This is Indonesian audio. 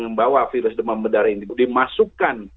membawa virus demam berdarah ini dimasukkan